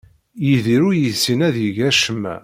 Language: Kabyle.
Yidir ur yessin ad yeg acemma.